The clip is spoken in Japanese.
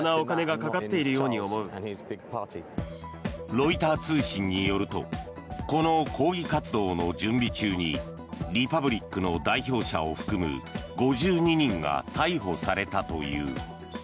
ロイター通信によるとこの抗議活動の準備中にリパブリックの代表者を含む５２人が逮捕されたという。